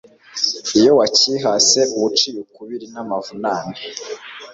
Iyo wacyihase uba uciye ukubiri namavunane